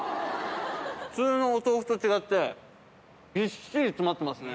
普通のお豆腐と違ってびっしり詰まってますね。